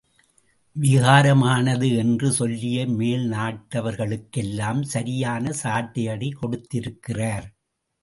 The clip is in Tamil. விகாரமானது என்று சொல்லிய மேல் நாட்டார்களுக்கெல்லாம் சரியான சாட்டையடி கொடுத்திருக்கிறார்.